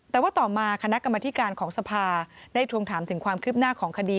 แต่ว่าต่อมาคณะกรรมธิการของสภาได้ทวงถามถึงความคืบหน้าของคดี